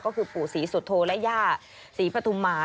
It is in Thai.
ก็คือปู่ศรีสุโธและย่าศรีปฐุมา